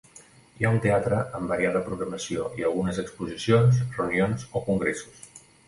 Hi ha un teatre amb variada programació i algunes exposicions, reunions o congressos.